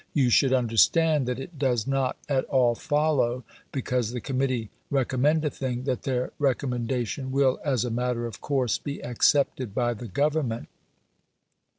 You should understand that it does not at all follow, because the Committee recommend a thing, that their recommendation will, as a matter of course, be accepted by the Government.